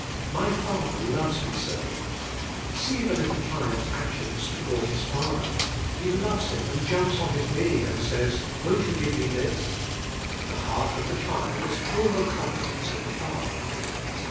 My father loves me so. See the little child's actions toward his father. He loves him and jumps on his knee and says, Vf on't you g ive me this? The heart of the child is full oi confidence in the father.